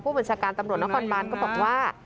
บัญชาการตำรวจนครบานก็บอกว่า